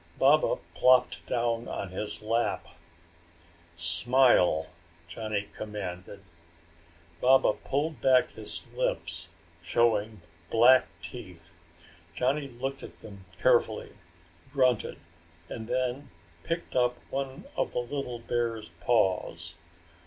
Baba plopped down on his lap. "Smile," Johnny commanded. Baba pulled back his lips, showing black teeth. Johnny looked at them carefully, grunted, and then picked up one of the little bear's paws.